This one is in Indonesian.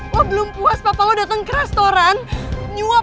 lo belum puas papa lo dateng ke restoran iung penyulit malig para mikirnya buzzing